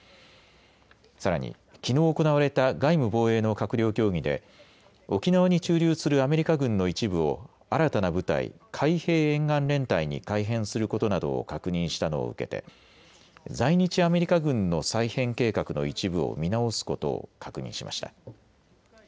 さらに、きのう行われた外務・防衛の閣僚協議で沖縄に駐留するアメリカ軍の一部を新たな部隊、海兵沿岸連隊に改編することなどを確認したのを受けて在日アメリカ軍の再編計画の一部を見直すことを確認しました。